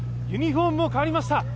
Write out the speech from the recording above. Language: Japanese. ユニフォームも変わりました。